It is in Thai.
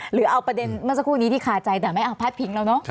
หรือเอาประเด็นเมื่อสักครู่นี้ที่คาใจแต่ไม่เอาพาดพิงเราเนอะ